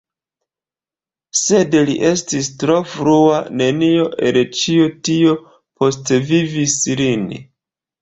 Sed li estis tro frua, nenio el ĉio tio postvivis lin.